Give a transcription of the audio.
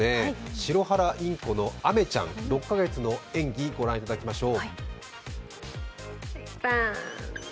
シロハラインコのあめちゃん６か月の演技、ご覧いただきましょう。